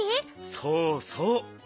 そうそう。